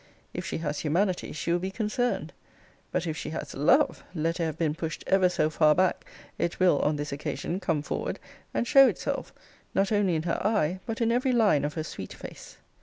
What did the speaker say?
If she has humanity, she will be concerned. But if she has love, let it have been pushed ever so far back, it will, on this occasion, come forward, and show itself; not only in her eye, but in every line of her sweet face.